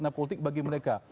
makna politik bagi mereka